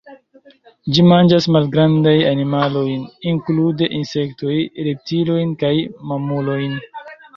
Ĝi manĝas malgrandajn animalojn, inklude insektojn, reptiliojn kaj mamulojn.